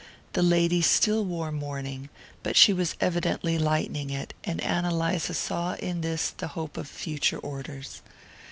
The lady still wore mourning, but she was evidently lightening it, and Ann Eliza saw in this the hope of future orders.